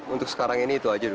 untuk sekarang ini itu aja